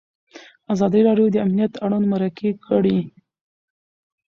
ازادي راډیو د امنیت اړوند مرکې کړي.